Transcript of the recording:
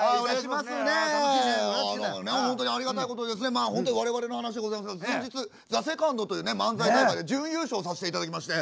まあほんと我々の話でございますが先日「ＴＨＥＳＥＣＯＮＤ」という漫才大会で準優勝させて頂きまして。